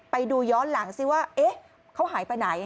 ไปดูย้อนหลังสิว่าเขาหายไปไหน